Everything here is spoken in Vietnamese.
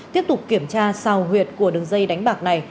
tiếp tục kiểm tra xào huyệt của đường dây đánh bạc này